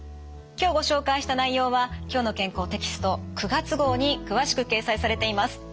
今日ご紹介した内容は「きょうの健康」テキスト９月号に詳しく掲載されています。